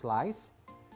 kita letakkan di bawahnya